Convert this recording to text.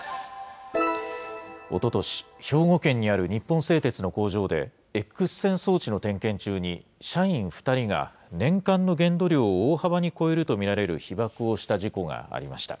おととし、兵庫県にある日本製鉄の工場で、エックス線装置の点検中に、社員２人が年間の限度量を大幅に超えるとみられる被ばくをした事故がありました。